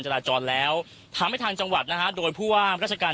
จราจรแล้วทำให้ทางจังหวัดนะฮะโดยผู้ว่าราชการ